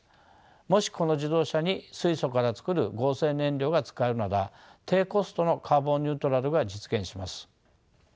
もしこの自動車に水素から作る合成燃料が使えるなら低コストのカーボン・ニュートラルが実現します。